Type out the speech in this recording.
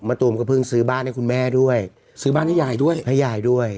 ตูมก็เพิ่งซื้อบ้านให้คุณแม่ด้วยซื้อบ้านให้ยายด้วยให้ยายด้วย